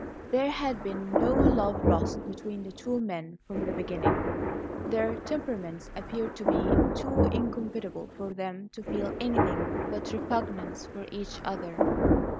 There had been no love lost between the two men from the beginning; their temperaments appeared to be too incompatible for them to feel anything but repugnance for each other.